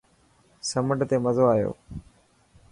سمنڊ تي مزو آيو.